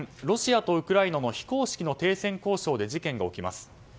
ロシアとウクライナの非公式の停戦交渉で事件が起きます。